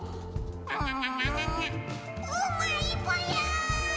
うまいぽよ！